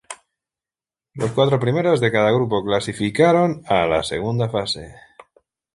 Los cuatros primeros de cada grupo clasificaron a la segunda fase.